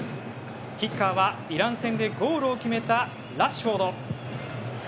キッカーはイラン戦でゴールを決めたラッシュフォード。